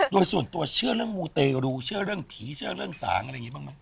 โดยส่วนตัวเชื่อเรื่องมูเตรูเชื่อเรื่องผีเชื่อเรื่องสางอะไรอย่างนี้บ้างไหม